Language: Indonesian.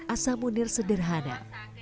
asa munir sederhana